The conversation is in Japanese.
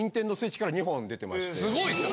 すごいですよ。